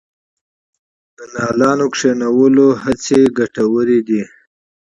د نیالګیو کینول کمپاینونه ګټور دي؟